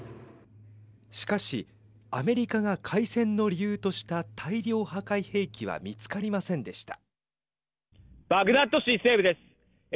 しかしアメリカが開戦の理由とした大量破壊兵器は見つかりませんでした。